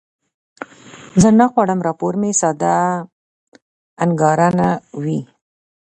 زه نه غواړم راپور مې ساده انګارانه وي.